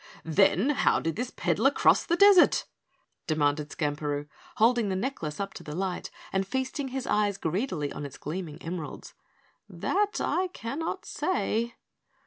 "Then how did this peddler cross the desert?" demanded Skamperoo, holding the necklace up to the light and feasting his eyes greedily on its gleaming emeralds. "That, I cannot say."